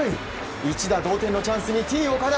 １打同点のチャンスにＴ‐岡田。